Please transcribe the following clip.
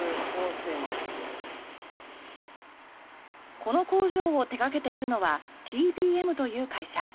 この工場を手掛けているのはＴＢＭという会社。